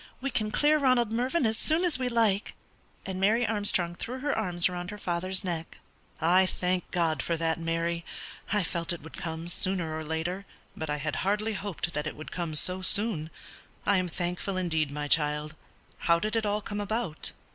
We can clear Ronald Mervyn as soon as we like." And Mary Armstrong threw her arms round her father's neck. "I thank God for that, Mary. I felt it would come sooner or later, but I had hardly hoped that it would come so soon. I am thankful, indeed, my child; how did it all come about?"